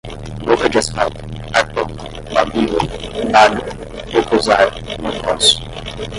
boca de asfalto, arpão, babila, baga, mocosar, mocós